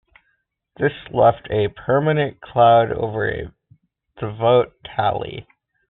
This left a permanent cloud over the vote tally.